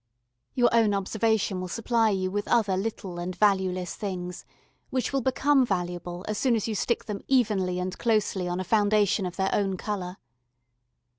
Your own observation will supply you with other little and valueless things, which will become valuable as soon as you stick them evenly and closely on a foundation of their own colour.